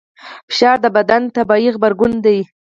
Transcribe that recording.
فشار د بدن طبیعي غبرګون دی.